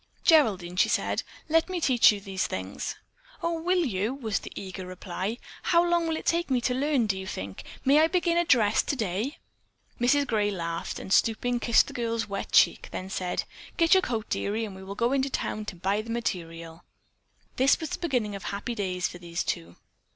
"Geraldine," she said, "let me teach you these things." "Oh, will you?" was the eager reply. "How long will it take me to learn, do you think? May I begin a dress today?" Mrs. Gray laughed, and, stooping, she kissed the girl's wet cheek, then she said: "Get on your coat, dearie, and we will go into town and buy the material." This was the beginning of happy days for these two.